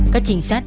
các trinh sát